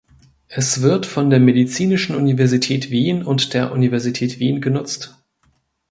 Es wird von der Medizinischen Universität Wien und der Universität Wien genutzt.